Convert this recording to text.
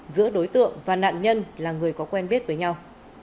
giữa đối tượng và nạn nhân là người có quen biết với nhau